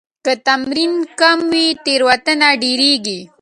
که تمرین کم وي، تېروتنه ډېريږي.